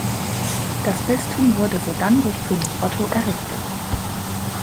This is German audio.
Das Bistum wurde sodann durch König Otto errichtet.